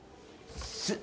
スッ。